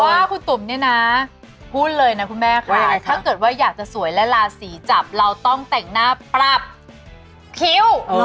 ว่าคุณตุ๋มเนี่ยนะพูดเลยนะคุณแม่ค่ะถ้าเกิดว่าอยากจะสวยและราศีจับเราต้องแต่งหน้าปรับคิ้ว